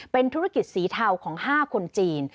เป็นธุรกิจสีเทาของ๕คนจีน